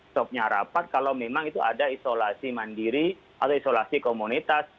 stopnya rapat kalau memang itu ada isolasi mandiri atau isolasi komunitas